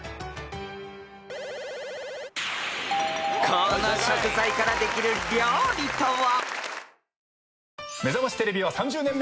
［この食材からできる料理とは？］